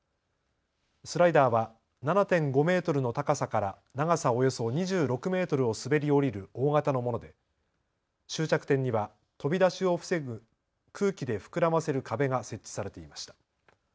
スライダーは７．５メートルの高さから長さおよそ２６メートルを滑り降りる大型のもので終着点には飛び出しを防ぐ空気で膨らませる壁が設置されていました。